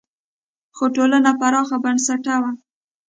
خو ټولنه پراخ بنسټه وه.